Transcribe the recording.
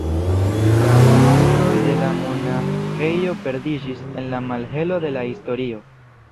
La spuroj de la monaĥejo perdiĝis en la malhelo de la historio.